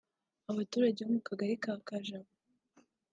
Abaturage bo mu kagari ka Jaba